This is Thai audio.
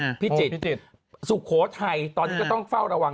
ในอันไหร่ศุษย์ไทยตอนนี้ก็ต้องเฝ้าระวัง